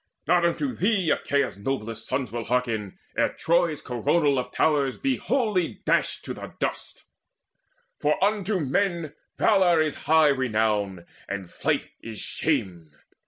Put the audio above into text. Not unto thee Achaea's noblest sons Will hearken, ere Troy's coronal of towers Be wholly dashed to the dust: for unto men Valour is high renown, and flight is shame!